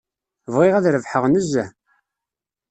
Bɣiɣ ad rebḥeɣ nezzeh.